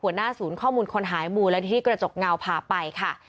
หัวหน้าศูนย์ข้อมูลคนหายมูลนิธิกระจกเงาพาไปค่ะ